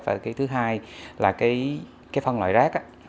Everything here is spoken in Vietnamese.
và thứ hai là phân loại rac